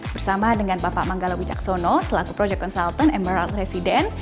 bersama dengan bapak manggalowi caksono selaku proyek konsultan emerald resident